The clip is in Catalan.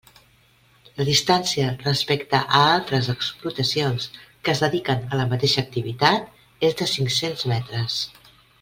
La distància respecte a altres explotacions que es dediquen a la mateixa activitat és de cinc-cents metres.